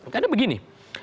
karena begini dua puluh delapan